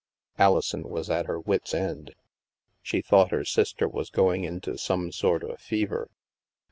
Alison was at her wit's end. She thought her sister was going into some sort of fever.